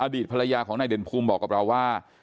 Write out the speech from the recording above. อดีตภรรยาของนายเด่นภูมิบอกกับเราว่า